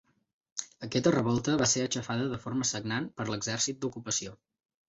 Aquesta revolta va ser aixafada de forma sagnant per l'exèrcit d'ocupació.